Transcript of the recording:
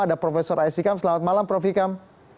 ada profesor aisyikam selamat malam prof ikam